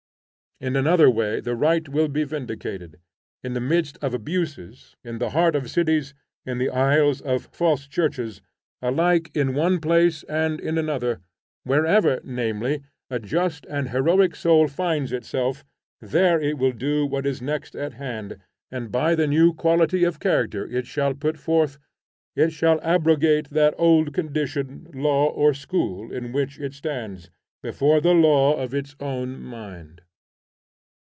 In another way the right will be vindicated. In the midst of abuses, in the heart of cities, in the aisles of false churches, alike in one place and in another, wherever, namely, a just and heroic soul finds itself, there it will do what is next at hand, and by the new quality of character it shall put forth it shall abrogate that old condition, law or school in which it stands, before the law of its own mind.